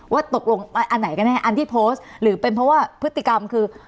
ว่าตกลงอันไหนกันแน่อันที่โพสต์หรือเป็นเพราะว่าพฤติกรรมคือ